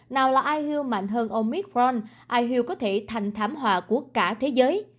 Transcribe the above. nào là ihu mạnh hơn omicron ihu có thể thành thảm hòa của cả thế giới